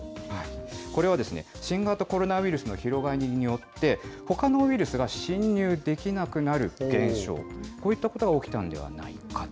これは、新型コロナウイルスの広がりに乗って、ほかのウイルスが侵入できなくなる現象、こういったことが起きたんではないかと。